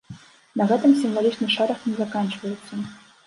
На гэтым сімвалічны шэраг не заканчваецца.